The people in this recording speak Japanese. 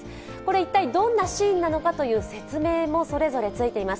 一体どんなシーンなのかという説明もそれぞれついています。